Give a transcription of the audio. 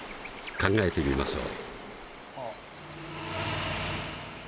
考えてみましょう。